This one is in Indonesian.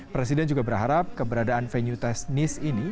presiden juga berharap keberadaan venue teknis ini